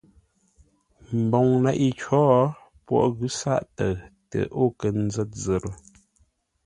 Mboŋ leʼé cǒ, poghʼ ghʉ̌ sáʼ təʉ tə o kə́ zə̂t zə̂t.